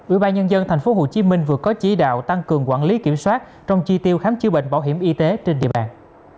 ủy ban nhân dân tp hcm vừa có chỉ đạo tăng cường quản lý kiểm soát trong chi tiêu khám chữa bệnh bảo hiểm y tế trên địa bàn